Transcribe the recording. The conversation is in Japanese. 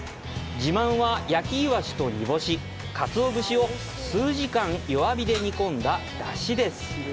自慢は、焼きイワシと煮干し、カツオ節を数時間、弱火で煮込んだ出汁です。